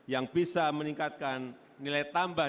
yang bisa meningkatkan nilai tambah